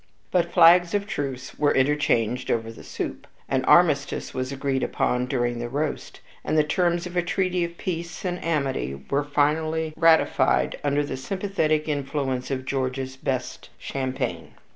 But flags of truce were interchanged over the soup, an armistice was agreed upon during the roast, and the terms of a treaty of peace and amity were finally ratified under the sympathetic influence of George's best champagne.